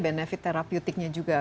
benefit therapeuticnya juga